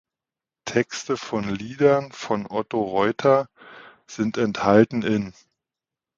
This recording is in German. Texte von Liedern von Otto Reutter sind enthalten in